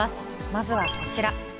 まずはこちら。